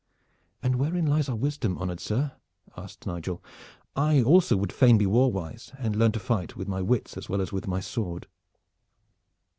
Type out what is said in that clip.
"And wherein lies our wisdom, honored sir?" asked Nigel. "I also would fain be war wise and learn to fight with my wits as well as with my sword."